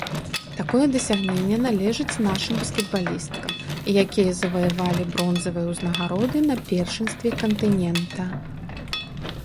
Такое дасягненне належыць нашым баскетбалісткам, якія заваявалі бронзавыя ўзнагароды на першынстве кантынента.